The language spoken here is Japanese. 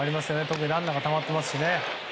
特に、ランナーがたまっていますし。